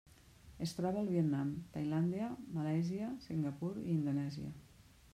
Es troba al Vietnam, Tailàndia, Malàisia, Singapur i Indonèsia.